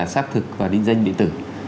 xác thực và đinh danh điện tử